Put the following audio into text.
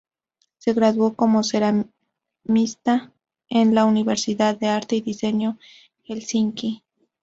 Se graduó como ceramista en la Universidad de Arte y Diseño Helsinki.